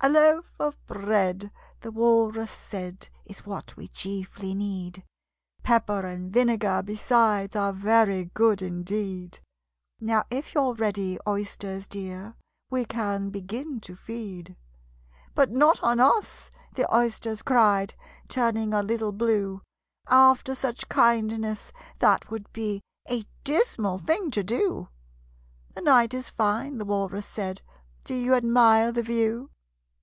"A loaf of bread," the Walrus said, "Is what we chiefly need: Pepper and vinegar besides Are very good indeed Now, if you're ready, Oysters dear, We can begin to feed." "But not on us," the Oysters cried, Turning a little blue. "After such kindness, that would be A dismal thing to do!" "The night is fine," the Walrus said. "Do you admire the view?